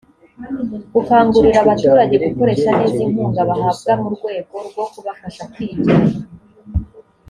gukangurira abaturage gukoresha neza inkunga bahabwa mu rwego rwo kubafasha kwigira